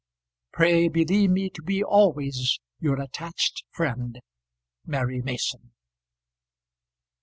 Pray believe me to be always your attached friend, MARY MASON.